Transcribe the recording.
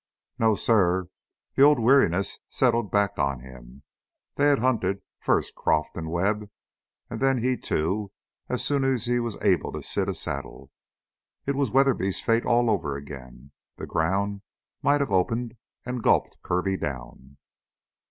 "No, suh." The old weariness settled back on him. They had hunted first Croff and Webb and then he, too, as soon as he was able to sit a saddle. It was Weatherby's fate all over again; the ground might have opened and gulped Kirby down.